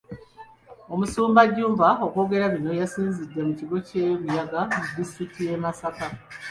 Omusumba Jjumba okwogera bino yasinzidde mu kigo ky’e Buyaga mu disitulikiti y’e Masaka.